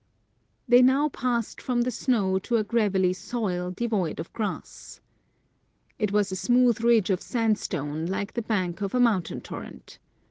" They now passed from the snow to a gravelly soil, devoid of grass. It was a smooth ridge of sandstone, like the bank of a mountain torrent.